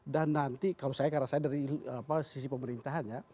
dan nanti kalau saya karena saya dari sisi pemerintahan